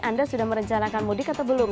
anda sudah merencanakan mudik atau belum